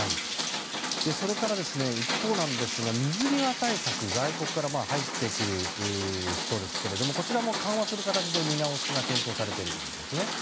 それから一方なんですが水際対策外国から入ってくる人ですけどもこちらも緩和する形で見直しが検討されているということですね。